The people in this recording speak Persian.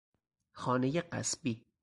خانهی غصبی